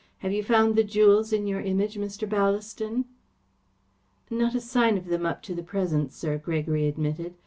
Have you found the jewels in your Image, Mr. Ballaston?" "Not a sign of them up to the present, sir," Gregory admitted.